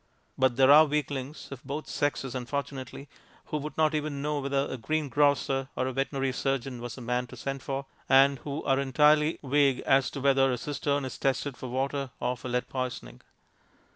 But there are weaklings (of both sexes, unfortunately) who would not even know whether a greengrocer or a veterinary surgeon was the man to send for, and who are entirely vague as to whether a cistern is tested for water or for lead poisoning.